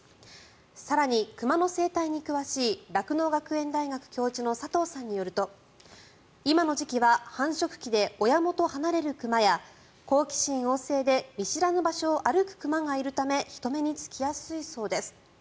更に、熊の生態に詳しい酪農学園大学教授の佐藤さんによると今の時期は繁殖期で親元を離れる熊や好奇心旺盛で見知らぬ場所を歩く熊がいるため人目につきやすいそうです。